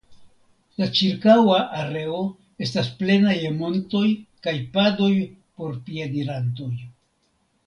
La ĉirkaŭa areo estas plena je montoj kaj padoj por piedirantoj.